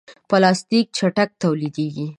پلاستيک چټک تولیدېږي.